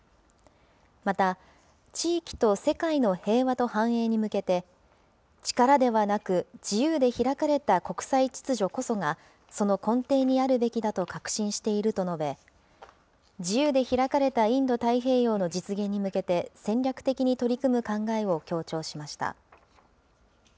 また、地域と世界の平和と繁栄に向けて、力ではなく、自由で開かれた国際秩序こそが、その根底にあるべきだと確信していると述べ、自由で開かれたインド太平洋の実現に向けて、戦略的に取り組む考えを強調しました。